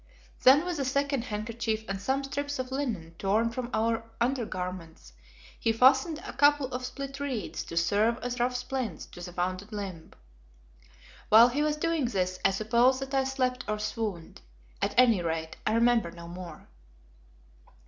Then with a second handkerchief and some strips of linen torn from our undergarments he fastened a couple of split reeds to serve as rough splints to the wounded limb. While he was doing this I suppose that I slept or swooned. At any rate, I remember no more.